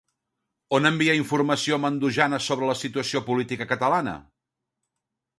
On envia informació Mandojana sobre la situació política catalana?